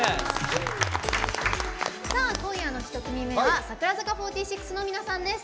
今夜の１組目は櫻坂４６の皆さんです。